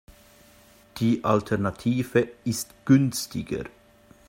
Die Alternative ist günstiger.